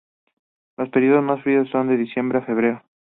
Los períodos más fríos son de diciembre a febrero.